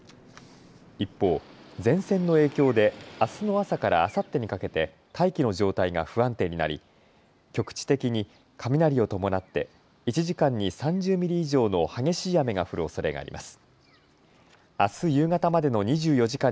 一方、前線の影響であすの朝からあさってにかけて大気の状態が不安定になり局地的に雷を伴って１時間に３０ミリ以上の激しい雨が降るおそれがあります。